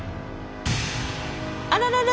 あららら。